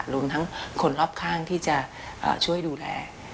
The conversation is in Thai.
รวมทั้งคนรอบข้างที่จะช่วยดูแล